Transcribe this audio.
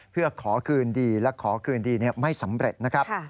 เพื่อขอคืนดีและขอคืนดีไม่สำเร็จนะครับ